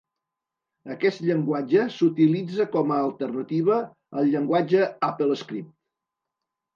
Aquest llenguatge s'utilitza com a alternativa al llenguatge AppleScript.